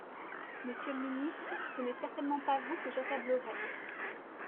Monsieur le ministre, ce n’est certainement pas vous que j’accablerais.